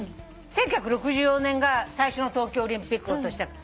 １９６４年が最初の東京オリンピックの年。